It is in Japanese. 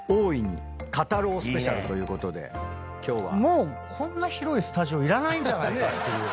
もうこんな広いスタジオいらないんじゃないかっていう。